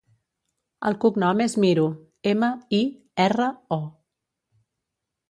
El cognom és Miro: ema, i, erra, o.